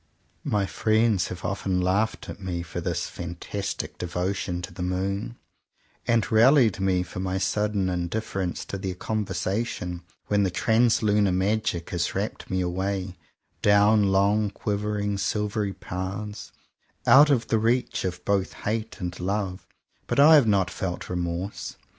156 JOHN COWPER POWYS My friends have often laughed at me for this fantastic devotion to the moon; and raUied me for my sudden indifference to their conversation when the translunar magic has rapt me away, down long quiver ing, silvery paths, out of the reach of both hate and love; but I have not felt remorse.